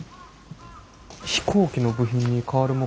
飛行機の部品に代わる目標？